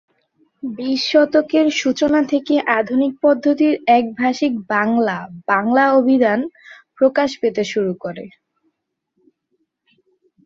বিশ শতকের সূচনা থেকে আধুনিক পদ্ধতির একভাষিক বাংলা-বাংলা অভিধান প্রকাশ পেতে শুরু করে।